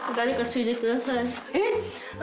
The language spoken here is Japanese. えっ？